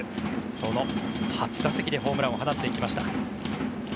その初打席でホームランを放っていきました。